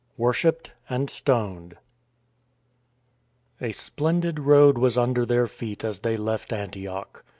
XIV WORSHIPPED AND STONED A SPLENDID road was under their feet as they left Antioch.